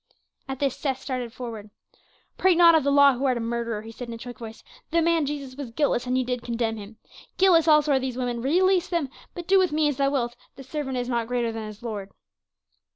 At this Seth started forward. "Prate not of the law who art a murderer!" he said in a choked voice. "The man Jesus was guiltless and ye did condemn him. Guiltless also are these women; release them, but do with me as thou wilt the servant is not greater than his lord."